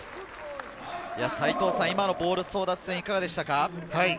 今のボール争奪戦いかがでしたか？